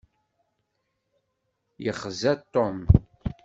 Yexza Tom.